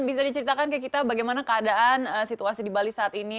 bisa diceritakan ke kita bagaimana keadaan situasi di bali saat ini